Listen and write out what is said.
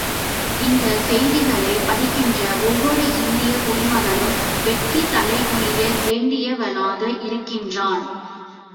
இந்தச் செய்திகளைப் படிக்கின்ற ஒவ்வொரு இந்தியக் குடிமகனும் வெட்கித் தலைகுனிய வேண்டியவனாக இருக்கிறான்.